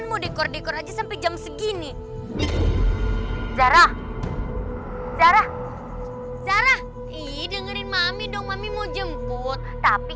mau dekor dekor aja sampai jam segini zara zara zara i dengerin mami dong mami mau jemput tapi